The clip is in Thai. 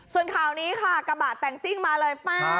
ส่วนข่าวนี้ค่ะกระบะแต่งซิ่งมาเลย